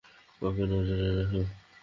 ওকে নজরে রেখো।